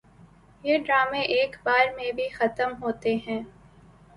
یہ ڈرامے ایک بار میں بھی ختم ہوتے ہیں